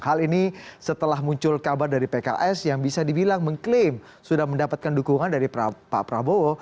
hal ini setelah muncul kabar dari pks yang bisa dibilang mengklaim sudah mendapatkan dukungan dari pak prabowo